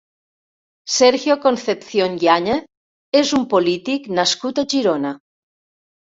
Sergio Concepción Yáñez és un polític nascut a Girona.